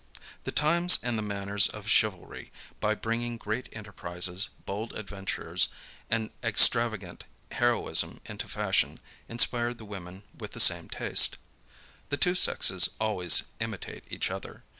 The times and the manners of chivalry, by bringing great enterprises, bold adventures, and extravagant heroism into fashion, inspired the women with the same taste. The two sexes always imitate each other.